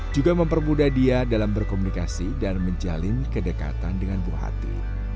juga mempermudah dia dalam berkomunikasi dan menjalin kedekatan dengan buah hati